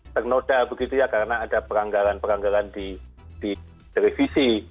ternoda begitu ya karena ada peranggalan peranggalan di televisi